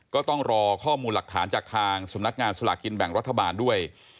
ก็ต้องรอข้อมูลหลักฐานจากทางสำนักงานสลากกินแบ่งรัฐบาลด้วย